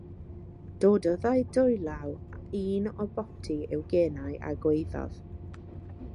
Dododd ei dwylaw un o boptu i'w genau a gwaeddodd.